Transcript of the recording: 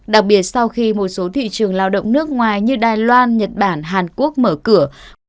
đặc biệt sau khi một số thị trường lao động nước ngoài như đài loan nhật bản hàn quốc mở cửa